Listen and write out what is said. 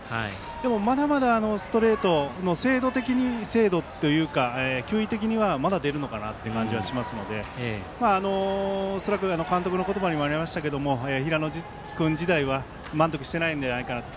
でも、まだまだストレートの精度的にというか球威的には、まだ出るのかなという感じがしますので監督の言葉にもありましたが恐らく、平野君自体は満足していないんじゃないかなと。